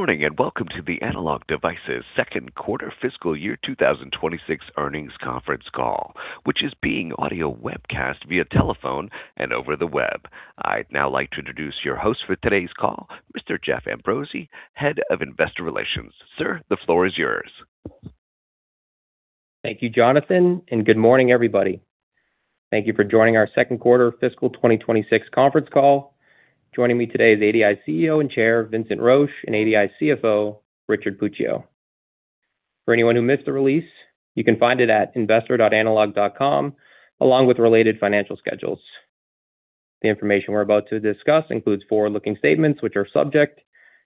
Good morning, and welcome to the Analog Devices second quarter fiscal year 2026 earnings conference call, which is being audio webcast via telephone and over the web. I'd now like to introduce your host for today's call, Mr. Jeff Ambrosi, Head of Investor Relations. Sir, the floor is yours. Thank you, Jonathan and good morning, everybody. Thank you for joining our second quarter fiscal 2026 conference call. Joining me today is ADI CEO and Chair, Vincent Roche, and ADI CFO, Richard Puccio. For anyone who missed the release, you can find it at investor.analog.com, along with related financial schedules. The information we're about to discuss includes forward-looking statements, which are subject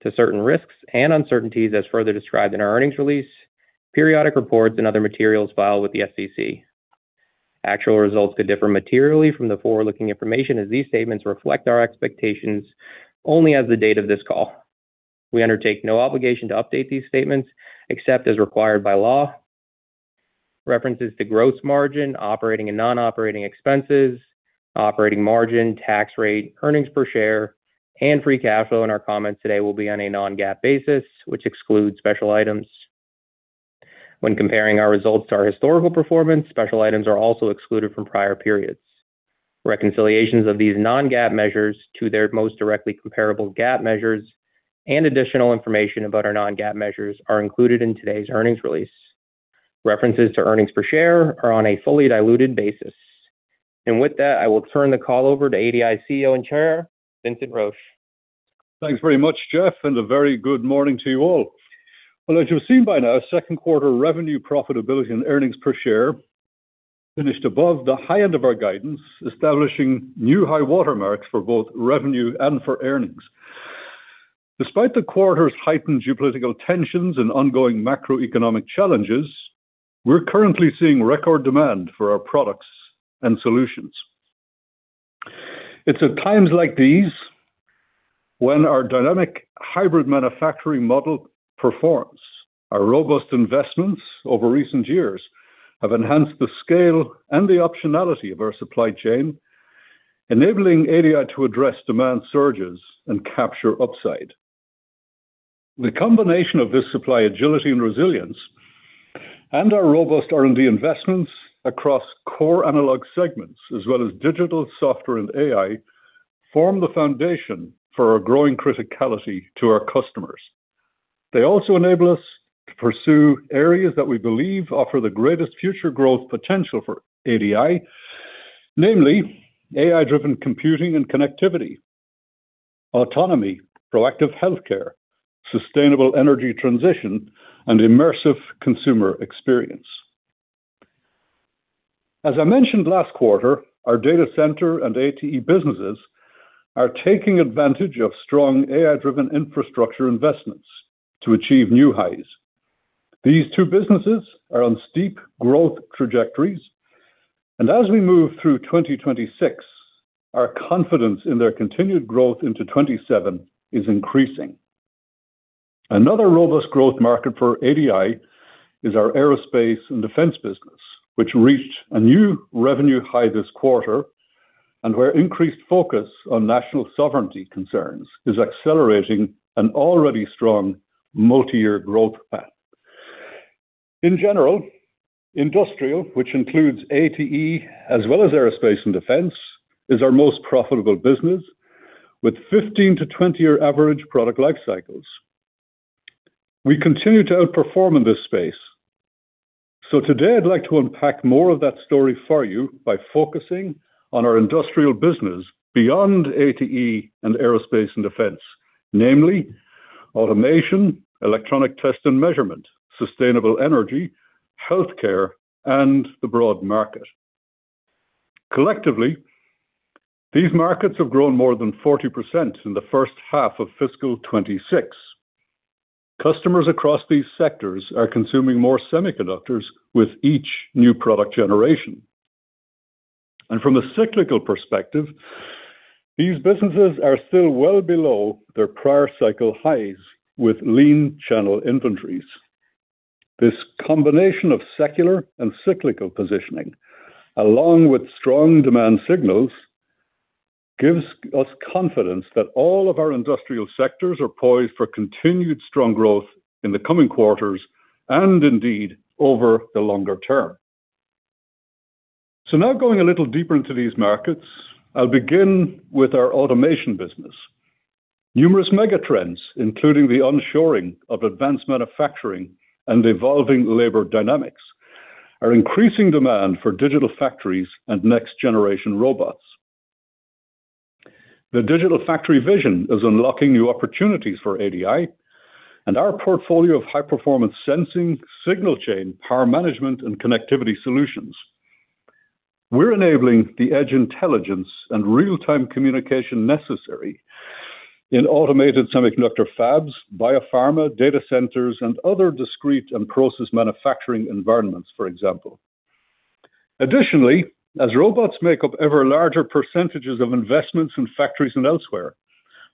to certain risks and uncertainties as further described in our earnings release, periodic reports, and other materials filed with the SEC. Actual results could differ materially from the forward-looking information as these statements reflect our expectations only as of the date of this call. We undertake no obligation to update these statements except as required by law. References to gross margin, operating and non-operating expenses, operating margin, tax rate, earnings per share, and free cash flow in our comments today will be on a non-GAAP basis, which excludes special items. When comparing our results to our historical performance, special items are also excluded from prior periods. Reconciliations of these non-GAAP measures to their most directly comparable GAAP measures and additional information about our non-GAAP measures are included in today's earnings release. References to earnings per share are on a fully diluted basis. With that, I will turn the call over to ADI CEO and Chair, Vincent Roche. Thanks very much, Jeff, and a very good morning to you all. Well, as you've seen by now, second quarter revenue profitability and earnings per share finished above the high end of our guidance, establishing new high-water marks for both revenue and for earnings. Despite the quarter's heightened geopolitical tensions and ongoing macroeconomic challenges, we're currently seeing record demand for our products and solutions. It's at times like these when our dynamic hybrid manufacturing model performs. Our robust investments over recent years have enhanced the scale and the optionality of our supply chain, enabling ADI to address demand surges and capture upside. The combination of this supply agility and resilience and our robust R&D investments across core analog segments as well as digital software and AI form the foundation for our growing criticality to our customers. They also enable us to pursue areas that we believe offer the greatest future growth potential for ADI, namely AI-driven computing and connectivity, autonomy, proactive healthcare, sustainable energy transition, and immersive consumer experience. As I mentioned last quarter, our data center and ATE businesses are taking advantage of strong AI-driven infrastructure investments to achieve new highs. These two businesses are on steep growth trajectories, and as we move through 2026, our confidence in their continued growth into 2027 is increasing. Another robust growth market for ADI is our aerospace and defense business, which reached a new revenue high this quarter and where increased focus on national sovereignty concerns is accelerating an already strong multiyear growth path. In general, industrial, which includes ATE as well as aerospace and defense, is our most profitable business, with 15- to 20-year average product life cycles. We continue to outperform in this space. Today, I'd like to unpack more of that story for you by focusing on our industrial business beyond ATE and aerospace and defense, namely automation, electronic test and measurement, sustainable energy, healthcare, and the broad market. Collectively, these markets have grown more than 40% in the first half of fiscal 2026. Customers across these sectors are consuming more semiconductors with each new product generation. From a cyclical perspective, these businesses are still well below their prior cycle highs with lean channel inventories. This combination of secular and cyclical positioning, along with strong demand signals, gives us confidence that all of our industrial sectors are poised for continued strong growth in the coming quarters and indeed over the longer term. Now going a little deeper into these markets, I'll begin with our automation business. Numerous megatrends, including the onshoring of advanced manufacturing and evolving labor dynamics, are increasing demand for digital factories and next-generation robots. The digital factory vision is unlocking new opportunities for ADI and our portfolio of high-performance sensing, signal chain, power management, and connectivity solutions. We're enabling the edge intelligence and real-time communication necessary in automated semiconductor fabs, biopharma, data centers, and other discrete and process manufacturing environments, for example. Additionally, as robots make up ever larger percentages of investments in factories and elsewhere,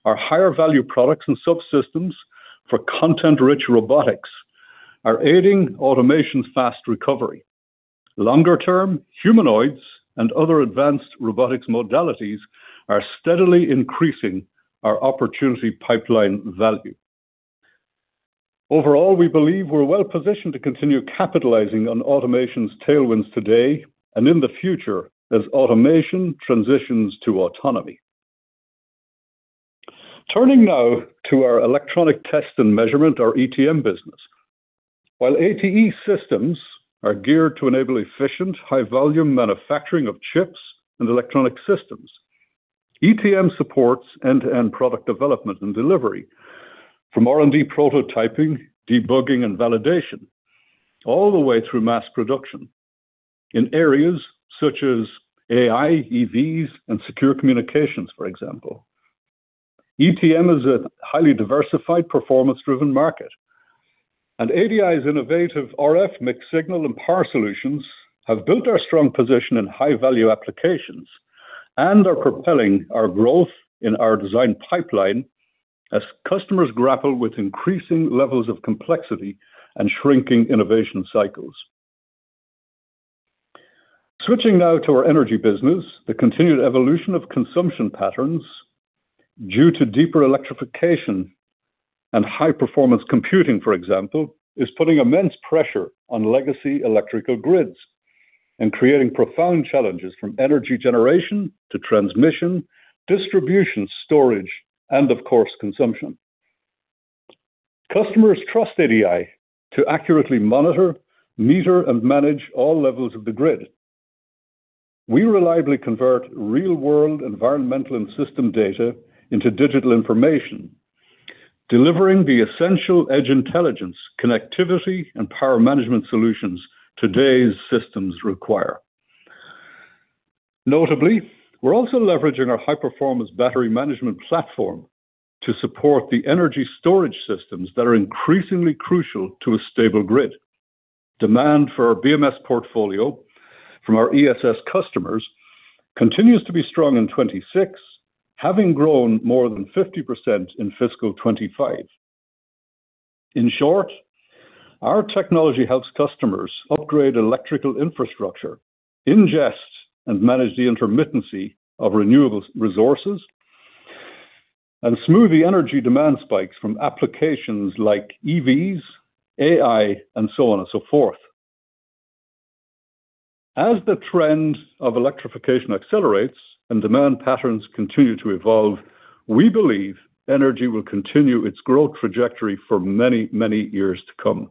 our higher value products and subsystems for content-rich robotics are aiding automation's fast recovery. Longer term, humanoids and other advanced robotics modalities are steadily increasing our opportunity pipeline value. Overall, we believe we're well-positioned to continue capitalizing on automation's tailwinds today, and in the future as automation transitions to autonomy. Turning now to our electronic test and measurement, our ETM business. While ATE systems are geared to enable efficient, high-volume manufacturing of chips and electronic systems, ETM supports end-to-end product development and delivery, from R&D prototyping, debugging, and validation, all the way through mass production in areas such as AI, EVs, and secure communications, for example. ETM is a highly diversified, performance-driven market, and ADI's innovative RF mixed signal and power solutions have built our strong position in high-value applications and are propelling our growth in our design pipeline as customers grapple with increasing levels of complexity and shrinking innovation cycles. Switching now to our energy business, the continued evolution of consumption patterns due to deeper electrification and high-performance computing, for example, is putting immense pressure on legacy electrical grids and creating profound challenges from energy generation to transmission, distribution, storage, and of course, consumption. Customers trust ADI to accurately monitor, meter, and manage all levels of the grid. We reliably convert real-world environmental and system data into digital information, delivering the essential edge intelligence, connectivity, and power management solutions today's systems require. Notably, we're also leveraging our high-performance battery management platform to support the energy storage systems that are increasingly crucial to a stable grid. Demand for our BMS portfolio from our ESS customers continues to be strong in 2026, having grown more than 50% in fiscal 2025. In short, our technology helps customers upgrade electrical infrastructure, ingest and manage the intermittency of renewable resources, and smooth the energy demand spikes from applications like EVs, AI, and so on and so forth. As the trend of electrification accelerates and demand patterns continue to evolve, we believe energy will continue its growth trajectory for many, many years to come.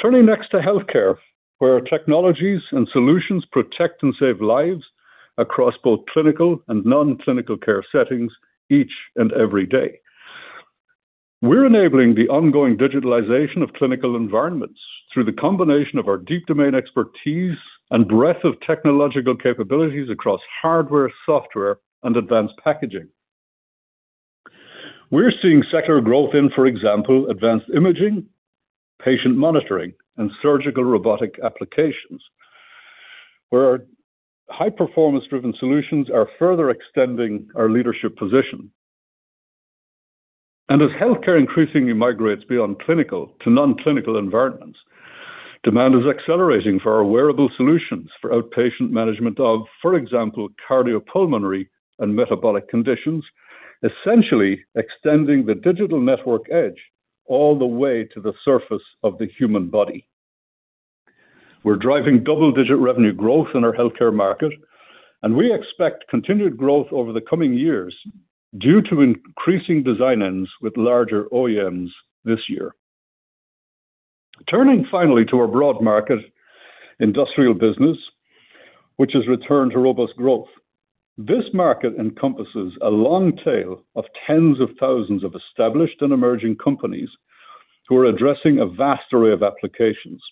Turning next to healthcare, where our technologies and solutions protect and save lives across both clinical and non-clinical care settings each and every day. We're enabling the ongoing digitalization of clinical environments through the combination of our deep domain expertise and breadth of technological capabilities across hardware, software, and advanced packaging. We're seeing secular growth in, for example, advanced imaging, patient monitoring, and surgical robotic applications, where our high-performance-driven solutions are further extending our leadership position. As healthcare increasingly migrates beyond clinical to non-clinical environments, demand is accelerating for our wearable solutions for outpatient management of, for example, cardiopulmonary and metabolic conditions, essentially extending the digital network edge all the way to the surface of the human body. We're driving double-digit revenue growth in our healthcare market, and we expect continued growth over the coming years due to increasing design-ins with larger OEMs this year. Turning finally to our broad market industrial business, which has returned to robust growth. This market encompasses a long tail of tens of thousands of established and emerging companies who are addressing a vast array of applications.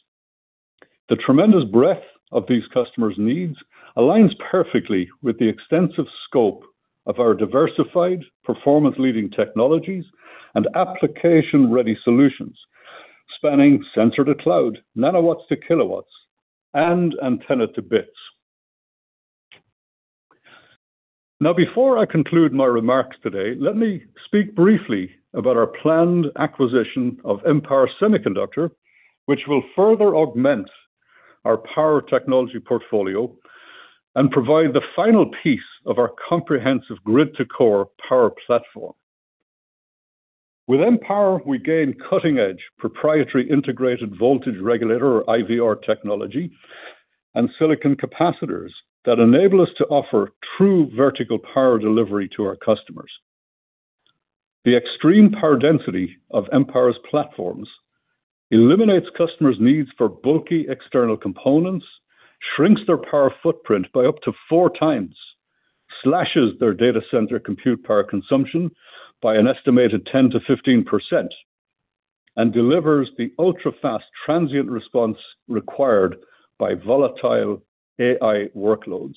The tremendous breadth of these customers' needs aligns perfectly with the extensive scope of our diversified performance leading technologies and application-ready solutions, spanning sensor to cloud, nanowatts to kilowatts, and antenna to bits. Now, before I conclude my remarks today, let me speak briefly about our planned acquisition of Empower Semiconductor, which will further augment our power technology portfolio and provide the final piece of our comprehensive grid-to-core power platform. With Empower, we gain cutting-edge proprietary integrated voltage regulator, or IVR technology, and silicon capacitors that enable us to offer true vertical power delivery to our customers. The extreme power density of Empower's platforms eliminates customers' needs for bulky external components, shrinks their power footprint by up to four times, slashes their data center compute power consumption by an estimated 10%-15%, and delivers the ultra-fast transient response required by volatile AI workloads.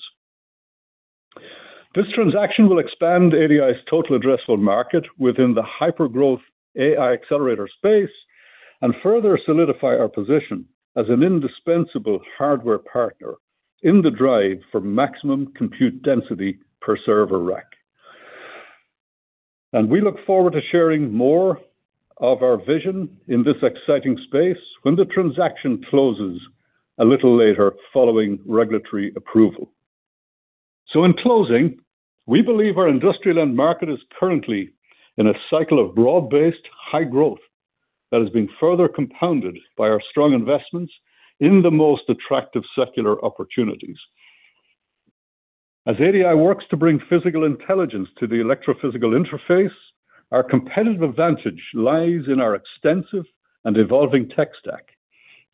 This transaction will expand ADI's total addressable market within the hyper-growth AI accelerator space and further solidify our position as an indispensable hardware partner in the drive for maximum compute density per server rack. We look forward to sharing more of our vision in this exciting space when the transaction closes a little later following regulatory approval. In closing, we believe our industrial end market is currently in a cycle of broad-based high growth that has been further compounded by our strong investments in the most attractive secular opportunities. As ADI works to bring physical intelligence to the electrophysical interface, our competitive advantage lies in our extensive and evolving tech stack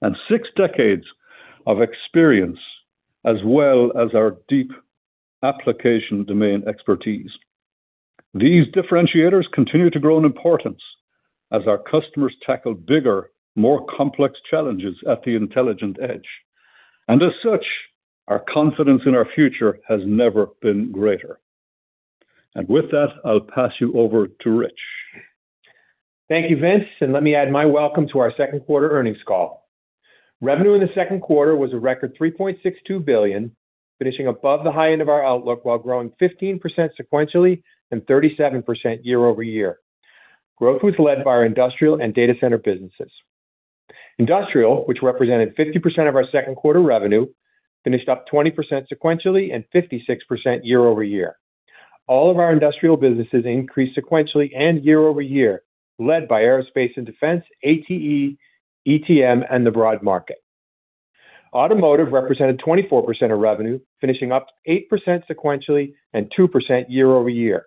and six decades of experience, as well as our deep application domain expertise. These differentiators continue to grow in importance as our customers tackle bigger, more complex challenges at the intelligent edge. As such, our confidence in our future has never been greater. With that, I'll pass you over to Rich. Thank you, Vince. Let me add my welcome to our second quarter earnings call. Revenue in the second quarter was a record $3.62 billion, finishing above the high end of our outlook while growing 15% sequentially and 37% year-over-year. Growth was led by our industrial and data center businesses. Industrial, which represented 50% of our second quarter revenue, finished up 20% sequentially and 56% year-over-year. All of our industrial businesses increased sequentially and year-over-year, led by aerospace and defense, ATE, ETM, and the broad market. Automotive represented 24% of revenue, finishing up 8% sequentially and 2% year-over-year.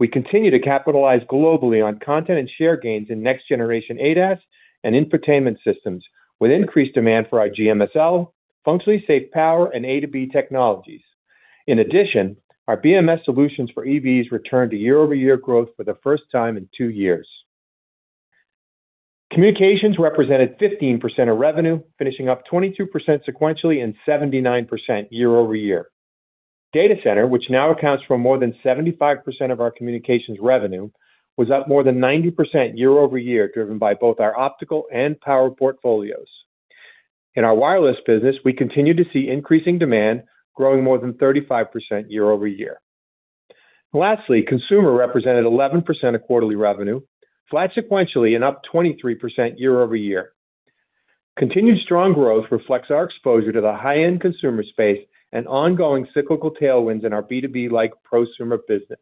We continue to capitalize globally on content and share gains in next-generation ADAS and infotainment systems with increased demand for GMSL, functionally safe power, and A2B technologies. In addition, our BMS solutions for EVs returned to year-over-year growth for the first time in two years. Communications represented 15% of revenue, finishing up 22% sequentially and 79% year-over-year. Data center, which now accounts for more than 75% of our communications revenue, was up more than 90% year-over-year, driven by both our optical and power portfolios. In our wireless business, we continue to see increasing demand growing more than 35% year-over-year. Lastly, consumer represented 11% of quarterly revenue, flat sequentially and up 23% year-over-year. Continued strong growth reflects our exposure to the high-end consumer space and ongoing cyclical tailwinds in our B2B-like prosumer business.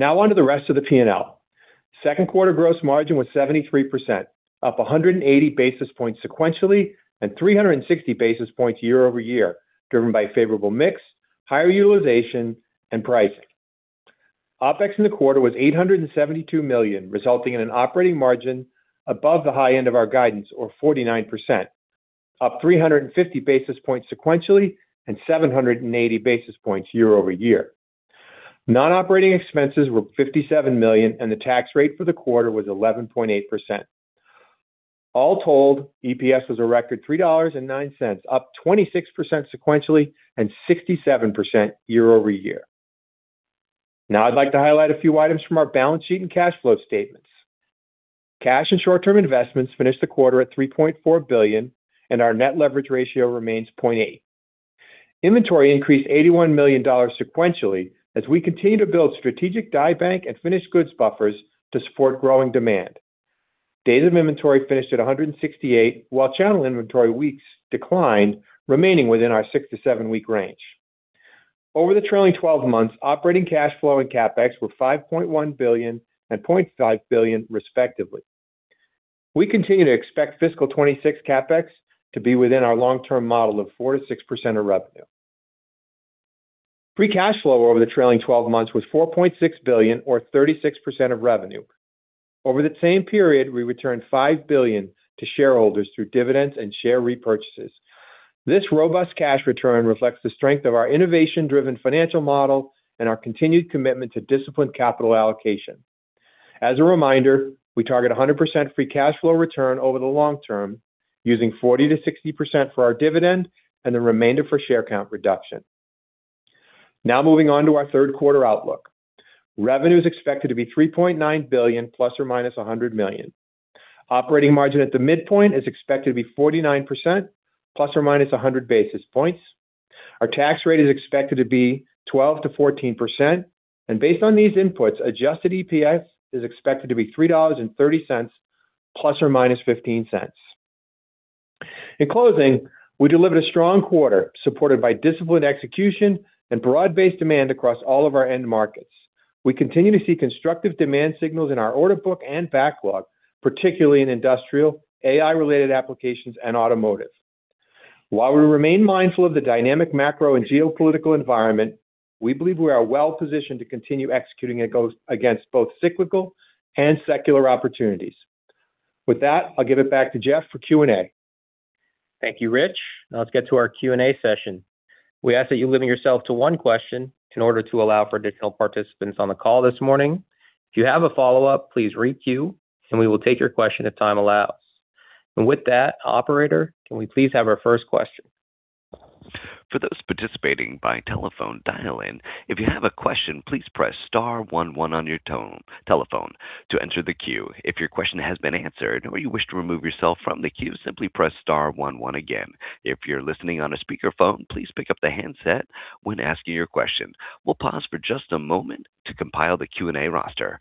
On to the rest of the P&L. Second quarter gross margin was 73%, up 180 basis points sequentially and 360 basis points year-over-year, driven by favorable mix, higher utilization, and pricing. OpEx in the quarter was $872 million, resulting in an operating margin above the high end of our guidance, or 49%, up 350 basis points sequentially and 780 basis points year-over-year. Non-operating expenses were $57 million, and the tax rate for the quarter was 11.8%. All told, EPS was a record $3.09, up 26% sequentially and 67% year-over-year. Now, I'd like to highlight a few items from our balance sheet and cash flow statements. Cash and short-term investments finished the quarter at $3.4 billion, and our net leverage ratio remains 0.8x. Inventory increased $81 million sequentially as we continue to build strategic die bank and finished goods buffers to support growing demand. Days of inventory finished at 168, while channel inventory weeks declined, remaining within our six to seven-week range. Over the trailing 12 months, operating cash flow and CapEx were $5.1 billion and $0.5 billion, respectively. We continue to expect fiscal 2026 CapEx to be within our long-term model of 4%-6% of revenue. Free cash flow over the trailing 12 months was $4.6 billion, or 36% of revenue. Over the same period, we returned $5 billion to shareholders through dividends and share repurchases. This robust cash return reflects the strength of our innovation-driven financial model and our continued commitment to disciplined capital allocation. As a reminder, we target 100% free cash flow return over the long term, using 40%-60% for our dividend and the remainder for share count reduction. Now, moving on to our third quarter outlook. Revenue is expected to be $3.9 billion, ±$100 million. Operating margin at the midpoint is expected to be 49%, ±100 basis points. Our tax rate is expected to be 12%-14%, and based on these inputs, adjusted EPS is expected to be $3.30, ±$0.15. In closing, we delivered a strong quarter supported by disciplined execution and broad-based demand across all of our end markets. We continue to see constructive demand signals in our order book and backlog, particularly in industrial, AI-related applications, and automotive. While we remain mindful of the dynamic macro and geopolitical environment, we believe we are well-positioned to continue executing against both cyclical and secular opportunities. With that, I'll give it back to Jeff for Q&A. Thank you, Rich. Let's get to our Q&A session. We ask that you limit yourself to one question in order to allow for additional participants on the call this morning. If you have a follow-up, please re-queue, and we will take your question if time allows. With that, operator, can we please have our first question? For those participating by telephone dial-in, if you have a question, please press star one one on your telephone to enter the queue. If your question has been answered or you wish to remove yourself from the queue, simply press star one one again. If you're listening on a speakerphone, please pick up the handset when asking your question. We'll pause for just a moment to compile the Q&A roster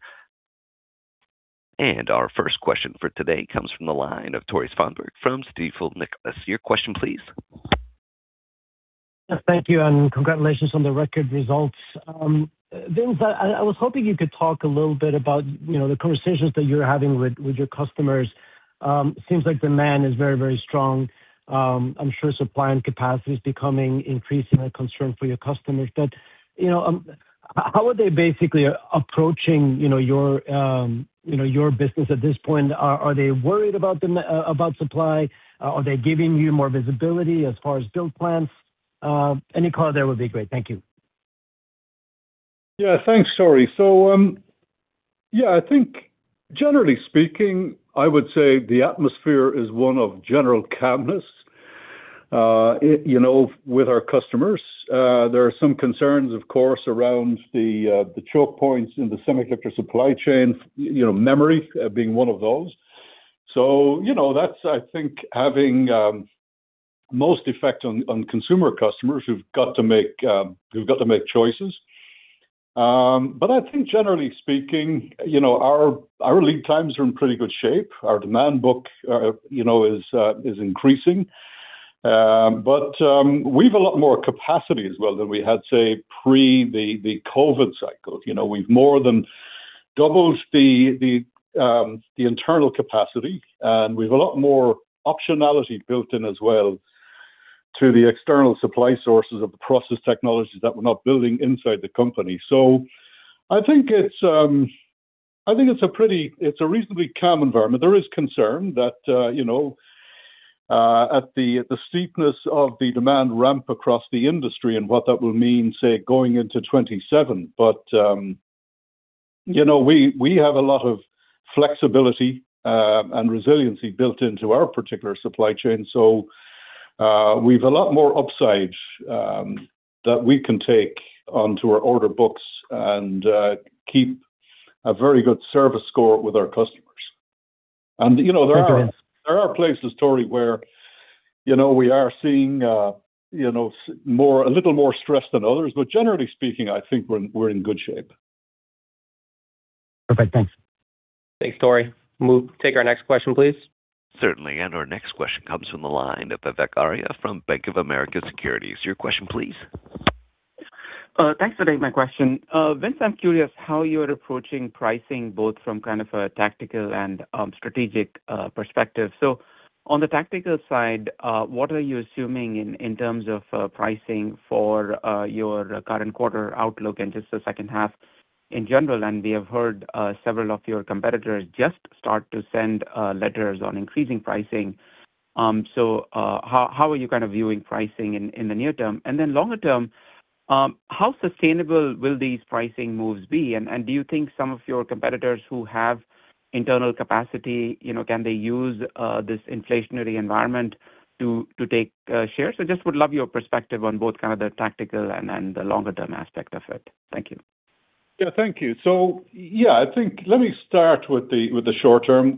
Our first question for today comes from the line of Tore Svanberg from Stifel, Nicolaus. Your question please. Thank you and congratulations on the record results. Vince, I was hoping you could talk a little bit about the conversations that you're having with your customers. Seems like demand is very, very strong. I'm sure supply and capacity is becoming increasingly a concern for your customers. How are they basically approaching your business at this point? Are they worried about supply? Are they giving you more visibility as far as build plans? Any color there would be great. Thank you. Yeah, thanks, Tore. I think, generally speaking, I would say the atmosphere is one of general calmness with our customers. There are some concerns, of course, around the choke points in the semiconductor supply chain, memory being one of those. That's, I think, having most effect on consumer customers who've got to make choices. But I think, generally speaking, our lead times are in pretty good shape. Our demand book is increasing. We've a lot more capacity as well than we had, say, pre the COVID cycle. We've more than doubled the internal capacity, and we've a lot more optionality built in as well to the external supply sources of the process technologies that we're not building inside the company. So, I think, it's a pretty, it's a reasonably calm environment. There is concern that at the steepness of the demand ramp across the industry and what that will mean, say, going into 2027, but we have a lot of flexibility and resiliency built into our particular supply chain, so we've a lot more upside that we can take onto our order books and keep a very good service score with our customers. Thank you. There are places, Tore, where we are seeing a little more stress than others, but generally speaking, I think we're in good shape. Perfect. Thanks. Thanks, Tore. We'll take our next question, please. Certainly. Our next question comes from the line of Vivek Arya from Bank of America Securities. Your question please. Thanks for taking my question. Vince, I am curious how you are approaching pricing, both from kind of a tactical and strategic perspective. On the tactical side, what are you assuming in terms of pricing for your current quarter outlook, and just the second half in general? We have heard several of your competitors just start to send letters on increasing pricing. How are you kind of viewing pricing in the near term, and then longer term, how sustainable will these pricing moves be? Do you think some of your competitors who have internal capacity, can they use this inflationary environment to take shares? Just would love your perspective on both kind of the tactical and the longer-term aspect of it. Thank you. Yeah, thank you. I think, let me start with the short term.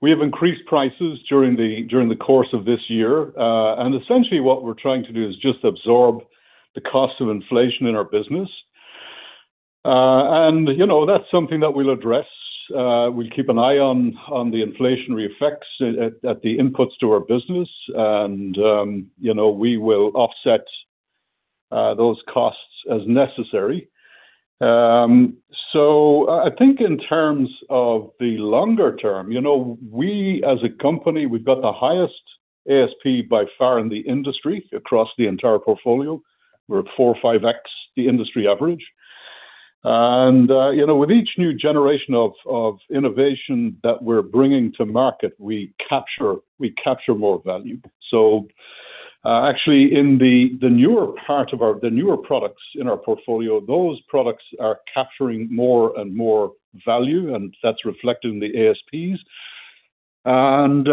We have increased prices during the course of this year. Essentially, what we're trying to do is just absorb the cost of inflation in our business. That's something that we'll address. We'll keep an eye on the inflationary effects at the inputs to our business, and we will offset those costs as necessary. I think in terms of the longer term, we as a company, we've got the highest ASP by far in the industry across the entire portfolio. We're at 4x, 5x the industry average. With each new generation of innovation that we're bringing to market, we capture more value. Actually, in the newer products in our portfolio, those products are capturing more and more value, and that's reflected in the ASPs. What's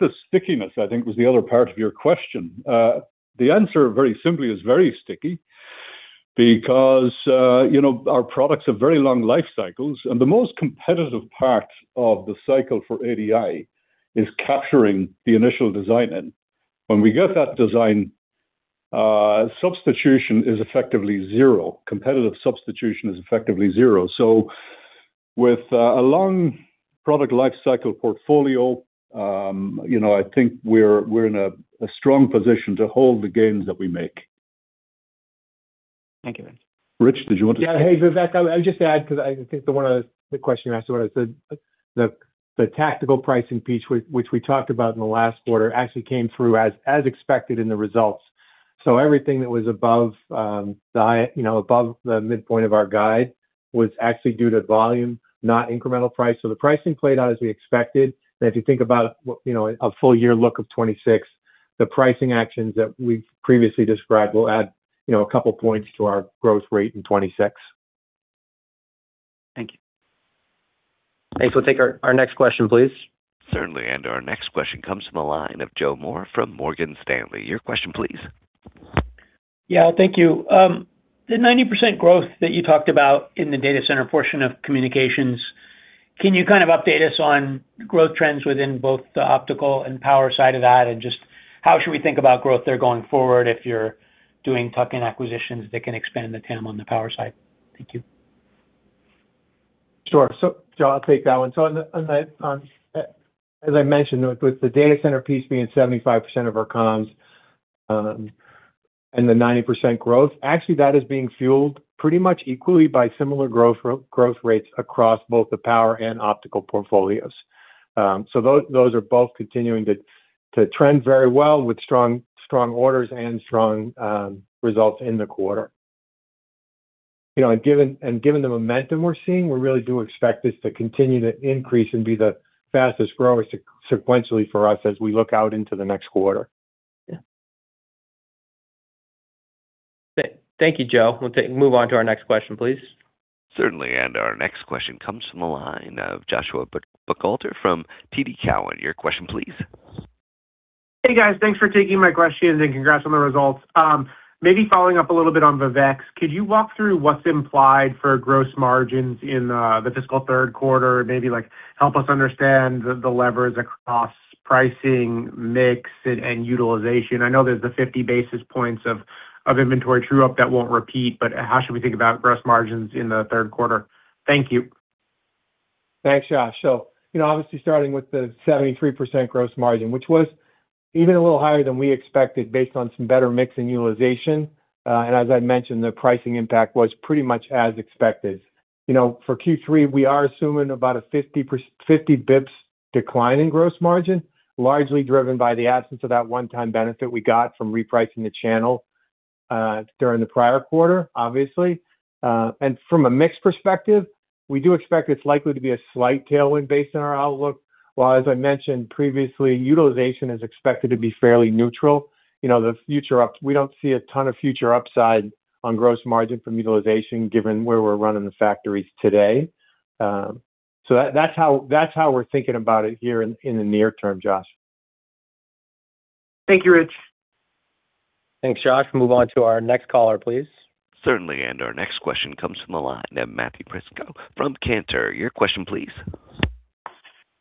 the stickiness, I think was the other part of your question. The answer very simply is very sticky because our products have very long life cycles and the most competitive part of the cycle for ADI is capturing the initial design in. When we get that design, substitution is effectively zero, competitive substitution is effectively zero. So, with a long product life cycle portfolio, I think we're in a strong position to hold the gains that we make. Thank you. Rich, did you want to? Yeah. Hey, Vivek, I would just add, because I think the question you asked, what I said, the tactical pricing piece which we talked about in the last quarter, actually came through as expected in the results. Everything was above the midpoint of our guide was actually due to volume, not incremental price. The pricing played out as we expected. If you think about a full year look of 2026, the pricing actions that we've previously described will add a couple points to our growth rate in 2026. Thank you. Thanks. We'll take our next question, please. Certainly. Our next question comes from the line of Joe Moore from Morgan Stanley. Your question, please. Yeah. Thank you. The 90% growth that you talked about in the data center portion of communications, can you kind of update us on growth trends within both the optical and power side of that? Just how should we think about growth there going forward if you're doing tuck-in acquisitions that can expand the TAM on the power side? Thank you. Sure. Joe, I'll take that one. As I mentioned, with the data center piece being 75% of our comms, and the 90% growth, actually that is being fueled pretty much equally by similar growth rates across both the power and optical portfolios. Those are both continuing to trend very well with strong orders and strong results in the quarter. Given the momentum we're seeing, we really do expect this to continue to increase and be the fastest grower sequentially for us as we look out into the next quarter. Yeah. Thank you, Joe. We'll move on to our next question, please. Certainly. Our next question comes from the line of Joshua Buchalter from TD Cowen. Your question, please. Hey, guys. Thanks for taking my question, and congrats on the results. Maybe following up a little bit on Vivek's, could you walk through what's implied for gross margins in the fiscal third quarter? Maybe like, help us understand the levers across pricing, mix, and utilization. I know there's the 50 basis points of inventory true-up that won't repeat, but how should we think about gross margins in the third quarter? Thank you. Thanks, Josh. Obviously, starting with the 73% gross margin, which was even a little higher than we expected based on some better mix and utilization. As I mentioned, the pricing impact was pretty much as expected. For Q3, we are assuming about a 50 basis points decline in gross margin, largely driven by the absence of that one-time benefit we got from repricing the channel during the prior quarter, obviously. From a mix perspective, we do expect it's likely to be a slight tailwind based on our outlook. While, as I mentioned previously, utilization is expected to be fairly neutral, the future up, we don't see a ton of future upside on gross margin from utilization given where we're running the factories today. That's how we're thinking about it here in the near term, Josh. Thank you, Rich. Thanks, Josh. Move on to our next caller, please. Certainly. Our next question comes from the line of Matthew Prisco from Cantor. Your question, please.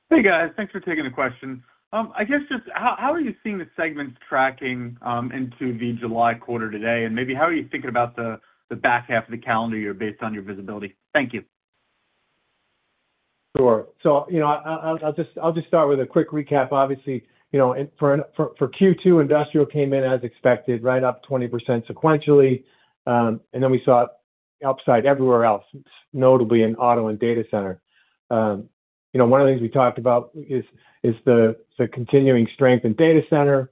Hey, guys. Thanks for taking the question. I guess just how are you seeing the segments tracking into the July quarter today, and maybe how are you thinking about the back half of the calendar year based on your visibility? Thank you. Sure. I'll just start with a quick recap. Obviously, for Q2, industrial came in as expected, right up 20% sequentially. We saw upside everywhere else, notably in auto and data center. One of the things we talked about is the continuing strength in data center.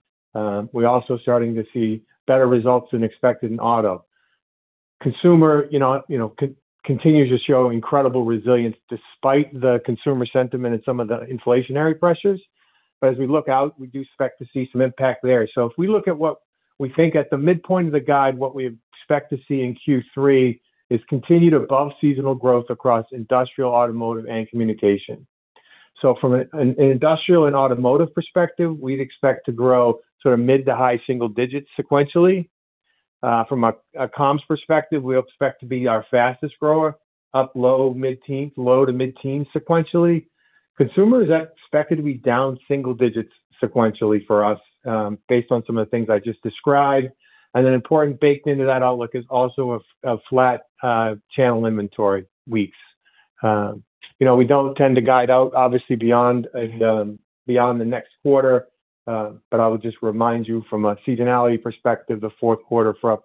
We're also starting to see better results than expected in auto. Consumer continues to show incredible resilience despite the consumer sentiment and some of the inflationary pressures. As we look out, we do expect to see some impact there. If we look at what we think at the midpoint of the guide, what we expect to see in Q3 is continued above seasonal growth across industrial, automotive, and communication. From an industrial and automotive perspective, we'd expect to grow sort of mid to high single digits sequentially. From a comms perspective, we expect to be our fastest grower, up low to mid-teens sequentially. Consumer is expected to be down single digits sequentially for us, based on some of the things I just described. Importantly, baked into that outlook is also a flat channel inventory weeks. We don't tend to guide out obviously beyond the next quarter, but I would just remind you from a seasonality perspective, the fourth quarter for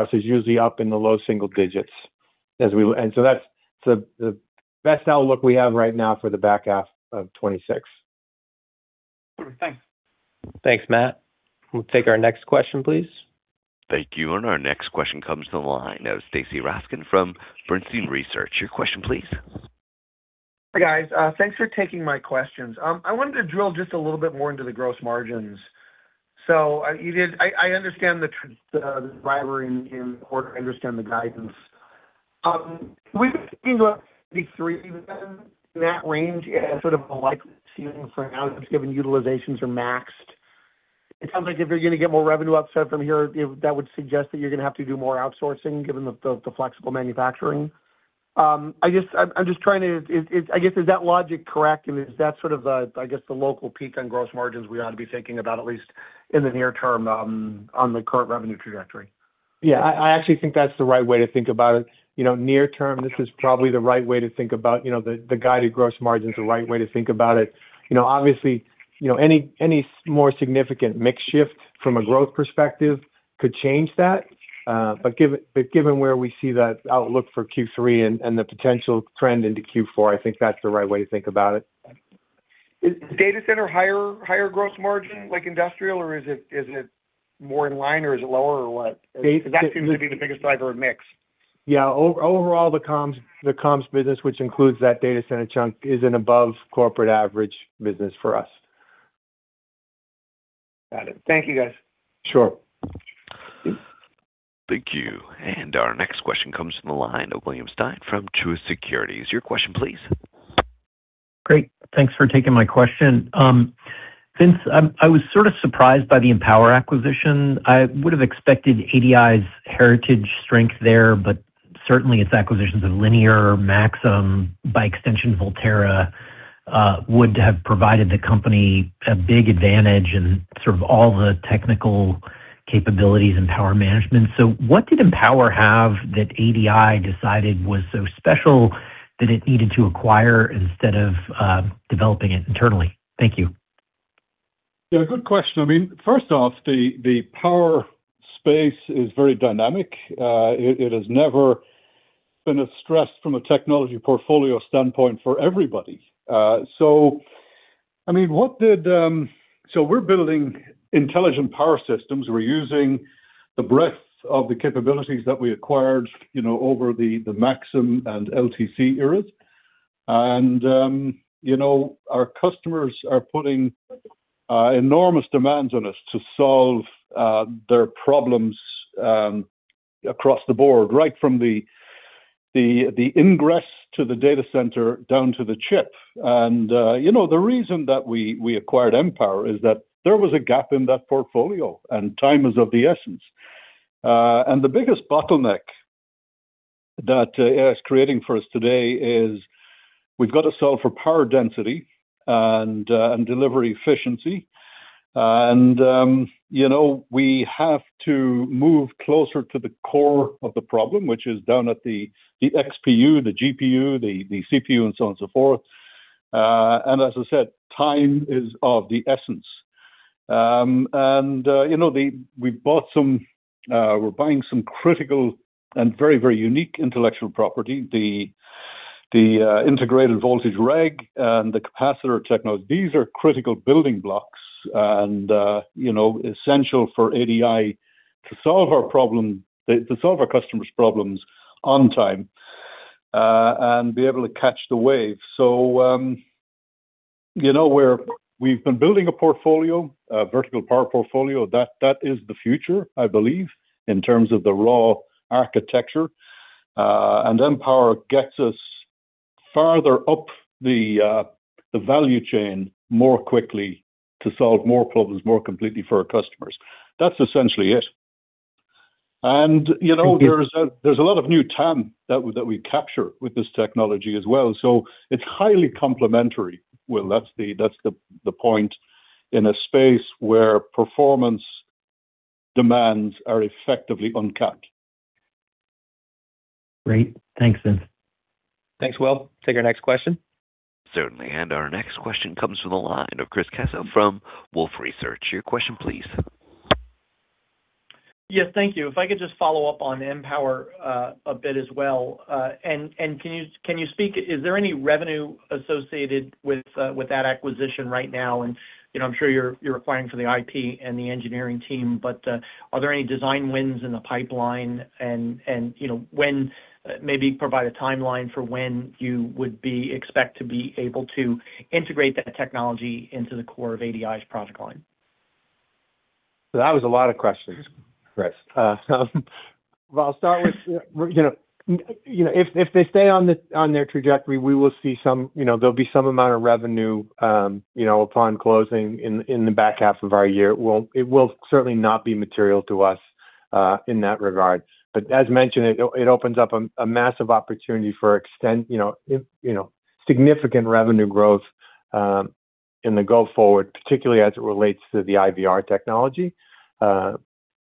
us is usually up in the low single digits. That's the best outlook we have right now for the back half of 2026. Thanks. Thanks, Matt. We'll take our next question, please. Thank you. Our next question comes to the line of Stacy Rasgon from Bernstein Research. Your question, please. Hey, guys. Thanks for taking my questions. I wanted to drill just a little bit more into the gross margins. I understand the driver and I understand the guidance. We've been thinking about Q3 within that range as sort of a likely ceiling for now, just given utilizations are maxed. It sounds like if you're going to get more revenue upside from here, that would suggest that you're going to have to do more outsourcing, given the flexible manufacturing. I guess, I'm just trying to, is that logic correct, and is that sort of the, I guess, the local peak on gross margins we ought to be thinking about at least in the near term, on the current revenue trajectory? Yeah, I actually think that's the right way to think about it. Near term, this is probably the right way to think about the guided gross margins, the right way to think about it. Obviously, any more significant mix shift from a growth perspective could change that but given where we see that outlook for Q3 and the potential trend into Q4, I think that's the right way to think about it. Is data center higher gross margin like industrial, or is it more in line or is it lower or what? That seems to be the biggest driver of mix. Yeah. Overall, the comms business, which includes that data center chunk, is an above corporate average business for us. Got it. Thank you, guys. Sure. Thank you. Our next question comes from the line of William Stein from Truist Securities. Your question, please. Great. Thanks for taking my question. I was sort of surprised by the Empower acquisition, I would've expected ADI's heritage strength there, but certainly its acquisitions of Linear, Maxim, by extension Volterra, would have provided the company a big advantage in sort of all the technical capabilities and power management. What did Empower have that ADI decided was so special that it needed to acquire instead of developing it internally? Thank you. Yeah, good question. First off, the power space is very dynamic. It has never been as stressed from a technology portfolio standpoint for everybody. So, we're building intelligent power systems. We're using the breadth of the capabilities that we acquired over the Maxim and LTC eras. Our customers are putting enormous demands on us to solve their problems across the board, right from the ingress to the data center down to the chip. The reason that we acquired Empower is that there was a gap in that portfolio, and time is of the essence. The biggest bottleneck that AI is creating for us today is we've got to solve for power density and delivery efficiency. We have to move closer to the core of the problem, which is down at the XPU, the GPU, the CPU, and so on and so forth. As I said, time is of the essence. We're buying some critical and very unique intellectual property. The integrated voltage reg and the capacitor techno, these are critical building blocks and essential for ADI to solve our customers' problems on time and be able to catch the wave. We've been building a portfolio, a vertical power portfolio. That is the future, I believe, in terms of the raw architecture, and Empower gets us farther up the value chain more quickly to solve more problems more completely for our customers. That's essentially it. There's a lot of new TAM that we capture with this technology as well. It's highly complementary, Will, that's the point, in a space where performance demands are effectively uncapped. Great. Thanks, Vince. Thanks, Will. Take our next question. Certainly. Our next question comes from the line of Chris Caso from Wolfe Research. Your question please. Yes, thank you. If I could just follow up on Empower a bit as well. Can you speak, is there any revenue associated with that acquisition right now? I'm sure you're acquiring for the IP and the engineering team, but are there any design wins in the pipeline, and maybe provide a timeline for when you would expect to be able to integrate that technology into the core of ADI's product line? That was a lot of questions, Chris. Well, I'll start with if they stay on their trajectory, there'll be some amount of revenue upon closing in the back half of our year. It will certainly not be material to us, in that regard. But as mentioned, it opens up a massive opportunity for significant revenue growth in the go forward, particularly as it relates to the IVR technology.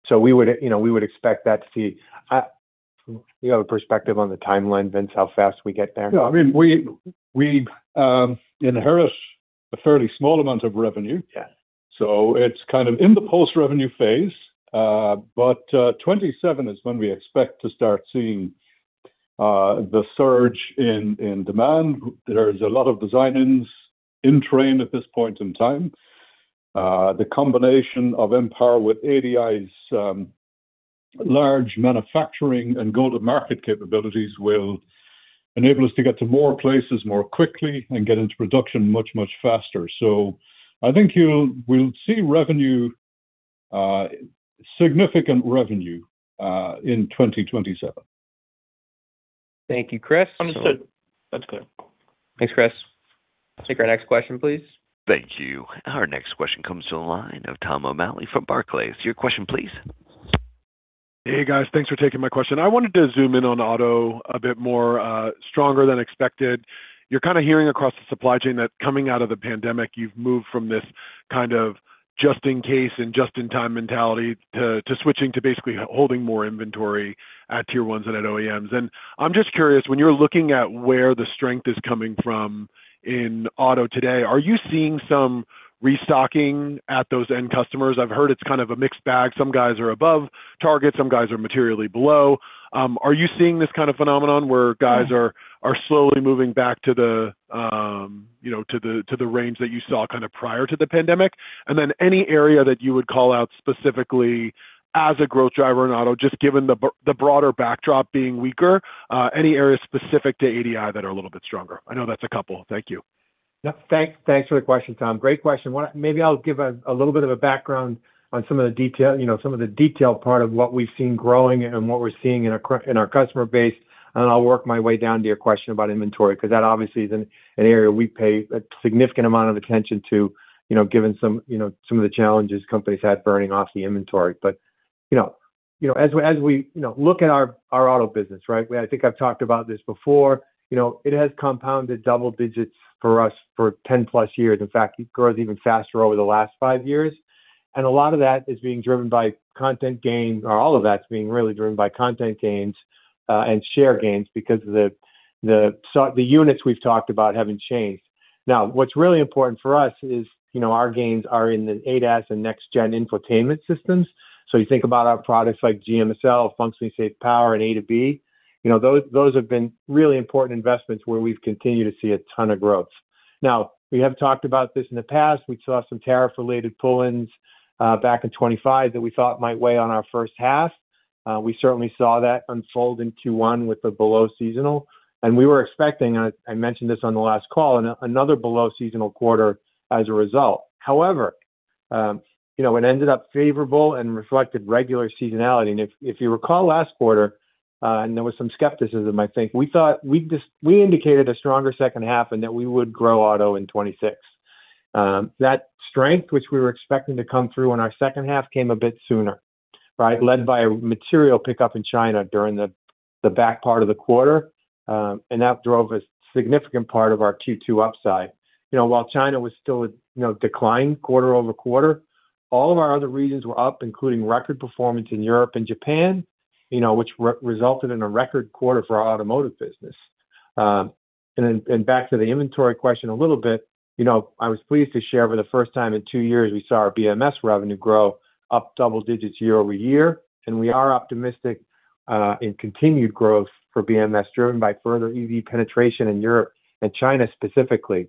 So, we would expect that to be, do you have a perspective on the timeline, Vince, how fast we get there? Yeah. We inherit a fairly small amount of revenue. Yes. It's kind of in the post-revenue phase, but 2027 is when we expect to start seeing the surge in demand. There's a lot of design-ins in train at this point in time. The combination of Empower with ADI's large manufacturing and go-to-market capabilities will enable us to get to more places more quickly and get into production much, much faster. I think, we'll see revenue, significant revenue in 2027. Thank you, Chris. Understood. That's clear. Thanks, Chris. Take our next question, please. Thank you. Our next question comes from the line of Tom O'Malley from Barclays. Your question please. Hey, guys. Thanks for taking my question. I wanted to zoom in on auto a bit more, stronger than expected. You're kind of hearing across the supply chain that coming out of the pandemic, you've moved from this kind of just-in-case and just-in-time mentality to switching to basically holding more inventory at Tier 1s than at OEMs. I'm just curious, when you're looking at where the strength is coming from in auto today, are you seeing some restocking at those end customers? I've heard it's kind of a mixed bag. Some guys are above target, some guys are materially below. Are you seeing this kind of phenomenon where guys are slowly moving back to the range that you saw kind of prior to the pandemic? Any area that you would call out specifically as a growth driver in auto, just given the broader backdrop being weaker, any areas specific to ADI that are a little bit stronger? I know that's a couple. Thank you. Yeah. Thanks for the question, Tom. Great question. Maybe I'll give a little bit of a background on some of the detailed part of what we've seen growing and what we're seeing in our customer base, and then I'll work my way down to your question about inventory, because that obviously is an area we pay a significant amount of attention to, given some of the challenges companies had burning off the inventory. As we look at our auto business, I think I've talked about this before, it has compounded double digits for us for 10+ years. In fact, it grows even faster over the last five years, and a lot of that is being driven by content gain, or all of that's being really driven by content gains and share gains because the units we've talked about haven't changed. What's really important for us is our gains are in the ADAS and next-gen infotainment systems. You think about our products like GMSL, functionally safe power, and A2B, those have been really important investments where we've continued to see a ton of growth. We have talked about this in the past, we saw some tariff-related pull-ins back in 2025 that we thought might weigh on our first half. We certainly saw that unfold in Q1 with the below seasonal, and we were expecting, I mentioned this on the last call, another below seasonal quarter as a result. However, it ended up favorable and reflected regular seasonality. If you recall last quarter, and there was some skepticism, I think, we indicated a stronger second half and that we would grow auto in 2026. That strength which we were expecting to come through in our second half came a bit sooner. Led by a material pickup in China during the back part of the quarter, and that drove a significant part of our Q2 upside. While China was still declining quarter-over-quarter, all of our other regions were up, including record performance in Europe and Japan, which resulted in a record quarter for our automotive business. Back to the inventory question a little bit, I was pleased to share for the first time in two years, we saw our BMS revenue grow up double digits year-over-year, and we are optimistic in continued growth for BMS driven by further EV penetration in Europe and China specifically.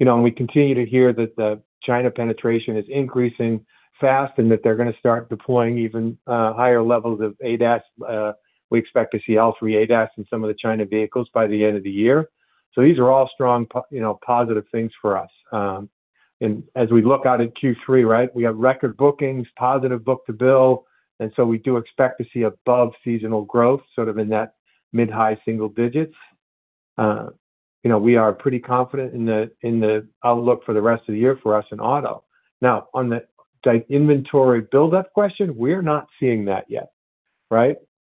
We continue to hear that the China penetration is increasing fast and that they're going to start deploying even higher levels of ADAS. We expect to see L3 ADAS in some of the China vehicles by the end of the year. These are all strong positive things for us. As we look out at Q3, we have record bookings, positive book-to-bill, and so we do expect to see above-seasonal growth sort of in that mid-high single digits. We are pretty confident in the outlook for the rest of the year for us in auto. Now, on the inventory buildup question, we're not seeing that yet.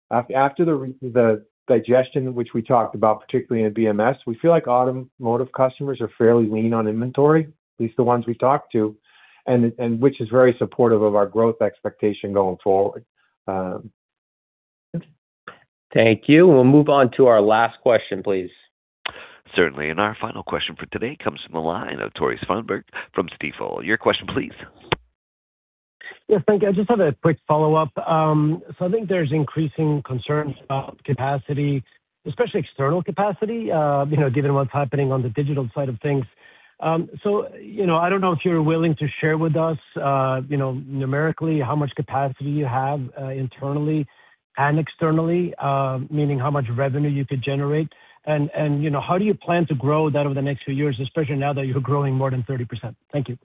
After the digestion, which we talked about, particularly in BMS, we feel like automotive customers are fairly lean on inventory, at least the ones we talk to, and which is very supportive of our growth expectation going forward. Thank you. We'll move on to our last question, please. Certainly, our final question for today comes from the line of Tore Svanberg from Stifel. Your question please. Yes, thank you. I just have a quick follow-up. I think there's increasing concerns about capacity, especially external capacity, given what's happening on the digital side of things. I don't know if you're willing to share with us numerically how much capacity you have internally and externally, meaning how much revenue you could generate. How do you plan to grow that over the next few years, especially now that you're growing more than 30%? Thank you.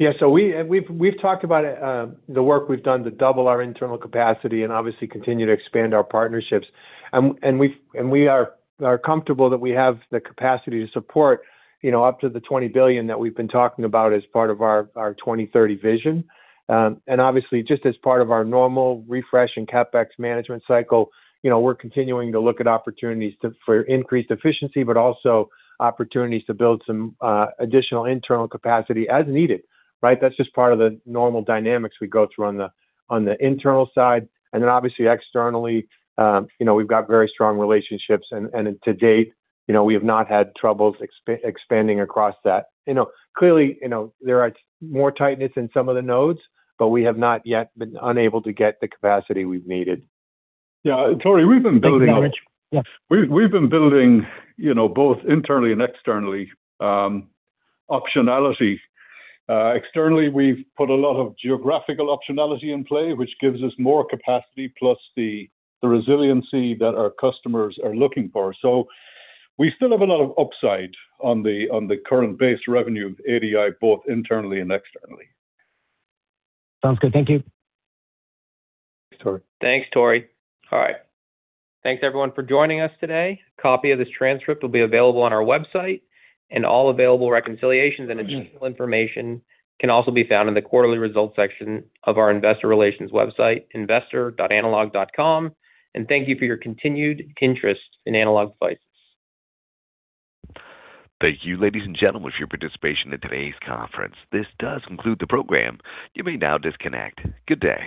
Yeah. We've talked about the work we've done to double our internal capacity and obviously continue to expand our partnerships. We are comfortable that we have the capacity to support up to the $20 billion that we've been talking about as part of our 2030 vision. Obviously, just as part of our normal refresh and CapEx management cycle, we're continuing to look at opportunities for increased efficiency, but also opportunities to build some additional internal capacity as needed. That's just part of the normal dynamics we go through on the internal side, and then obviously externally we've got very strong relationships, and to date we have not had troubles expanding across that. Clearly, there are more tightness in some of the nodes, but we have not yet been unable to get the capacity we've needed. Yeah. Tore. Acknowledged. Yes We've been building both internally and externally optionality. Externally, we've put a lot of geographical optionality in play, which gives us more capacity plus the resiliency that our customers are looking for. We still have a lot of upside on the current base revenue of ADI, both internally and externally. Sounds good. Thank you. Thanks, Tore. Thanks, Tore. All right. Thanks everyone for joining us today. A copy of this transcript will be available on our website, and all available reconciliations and additional information can also be found in the quarterly results section of our investor relations website, investor.analog.com. Thank you for your continued interest in Analog. Bye. Thank you, ladies and gentlemen, for your participation in today's conference. This does conclude the program. You may now disconnect. Good day.